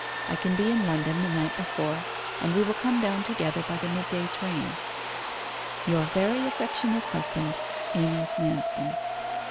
I can be in London the night before, and we will come down together by the mid day train Your very affectionate husband, 'AENEAS MANSTON.